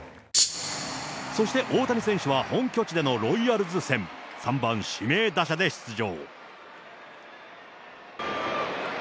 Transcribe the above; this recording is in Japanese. そして大谷選手は本拠地でのロイヤルズ戦３番指名打者で出場。